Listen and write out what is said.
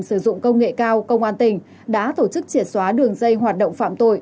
sử dụng công nghệ cao công an tỉnh đã tổ chức triệt xóa đường dây hoạt động phạm tội